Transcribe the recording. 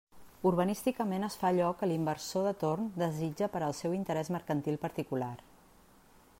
Urbanísticament es fa allò que l'inversor de torn desitja per al seu interés mercantil particular.